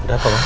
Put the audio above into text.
udah apa bu